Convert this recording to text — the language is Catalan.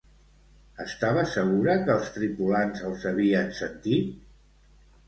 Estava segura que els tripulants els havien sentit?